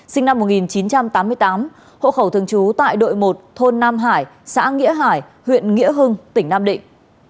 sinh năm một nghìn chín trăm tám mươi tám hộ khẩu thường trú tại đội một thôn nam hải xã nghĩa hải huyện nghĩa hưng tỉnh nam định